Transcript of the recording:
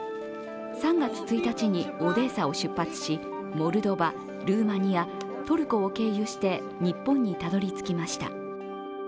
３月１日にオデーサを出発し、モルドバ、ルーマニア、トルコを経由して日本にたどりつきました。